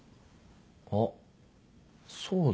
あっそうだ。